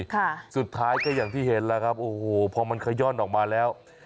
ค่ะสุดท้ายก็อย่างที่เห็นแล้วครับโอ้โหพอมันขย่อนออกมาแล้ว